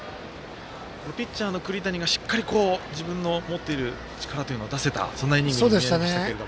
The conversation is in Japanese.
ピッチャーの栗谷がしっかり自分のもっている力を出せた、そんなイニングにも見えましたけど。